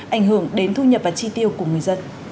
ảnh hưởng đến thu nhập và chi tiêu của người dân